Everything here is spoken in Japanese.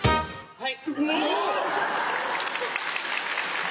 はい。